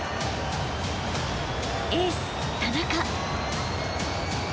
エース田中。